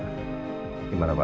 ini mungkin malem pak